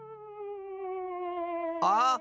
あっ！